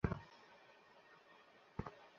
বহুদিন পর এত মজা করলাম।